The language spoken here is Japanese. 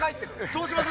どうします？